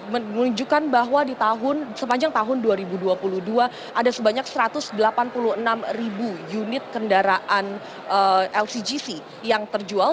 menunjukkan bahwa di tahun sepanjang tahun dua ribu dua puluh dua ada sebanyak satu ratus delapan puluh enam ribu unit kendaraan lcgc yang terjual